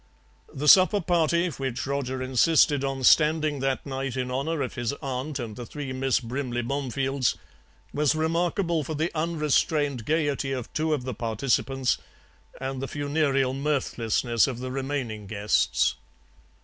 The supper party which Roger insisted on standing that night in honour of his aunt and the three Miss Brimley Bomefields was remarkable for the unrestrained gaiety of two of the participants and the funereal mirthlessness of the remaining guests.